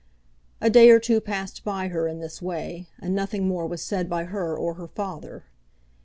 A day or two passed by her in this way, and nothing more was said by her or her father.